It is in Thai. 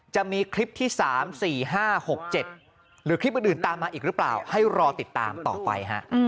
จะมีคลิปที่๓๔๕๖๗หรือคลิปอื่นตามมาอีกหรือเปล่าให้รอติดตามต่อไปฮะ